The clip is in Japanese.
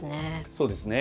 そうですね。